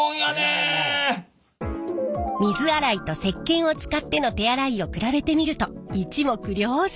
水洗いと石けんを使っての手洗いを比べてみると一目瞭然。